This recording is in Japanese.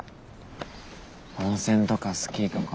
温泉とかスキーとか。